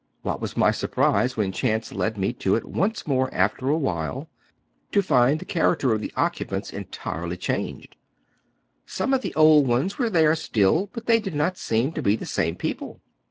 What was my surprise, when chance led me to it once more after a while, to find the character of the occupants entirely changed. Some of the old ones were there Btill, but they did not seem to be the same people.